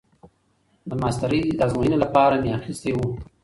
د ماسترۍ د ازموينې لپاره مې اخيستي وو.